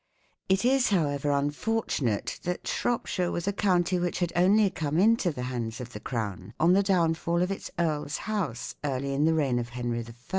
It is, however, unfortu nate that Shropshire was a county which had only come into the hands of the Crown on the downfall of its earls' house early in the reign of Henry I.